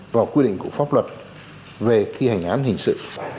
và quy định của pháp luật về thi hành án hình sự